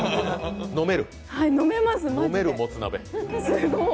飲めるもつ鍋。